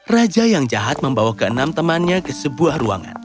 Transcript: raja yang jahat membawa keenam temannya ke sebuah ruangan